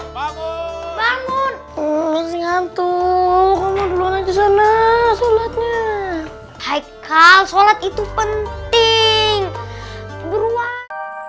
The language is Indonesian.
bangun bangun hantu hantu hai ka sholat itu penting beruang